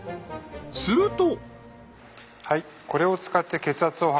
すると。